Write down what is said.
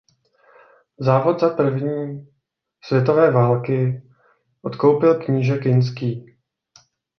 Závod za první světové války odkoupil kníže Kinský.